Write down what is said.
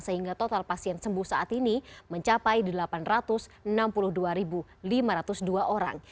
sehingga total pasien sembuh saat ini mencapai delapan ratus enam puluh dua lima ratus dua orang